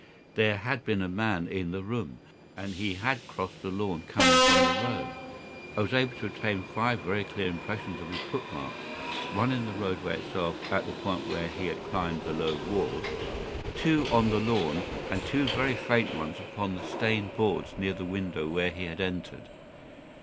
There had been a man in the room, and he had crossed the lawn coming from the road. I was able to obtain five very clear impressions of his footmarks: one in the roadway itself, at the point where he had climbed the low wall, two on the lawn, and two very faint ones upon the stained boards near the window where he had entered.